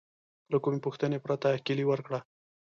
له کومې پوښتنې پرته کیلي ورکړه.